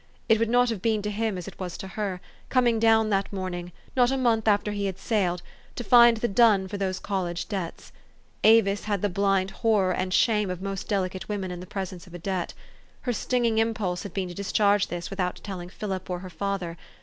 It would not have been to him as it was to her, coming down that morning, not a month after he had sailed, to find the dun for those college debts. Avis had the blind horror and shame of most delicate women in the presence of a debt. Her sting ing impulse had been to discharge this without telling Philip or her father.